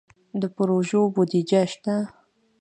د پروژو بودیجه شته؟